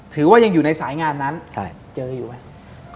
ถือว่ายังอยู่ในสายงานนั้นเจออยู่ไหม